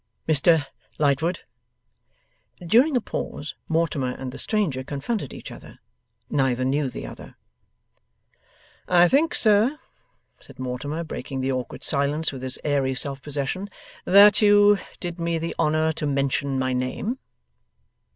'Mr Lightwood?' During a pause, Mortimer and the stranger confronted each other. Neither knew the other. 'I think, sir,' said Mortimer, breaking the awkward silence with his airy self possession, 'that you did me the honour to mention my name?